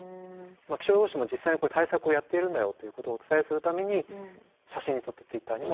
気象予報士も実際にこういう対策をやっているんだよということをお伝えするために写真に撮ってＴｗｉｔｔｅｒにもあげました。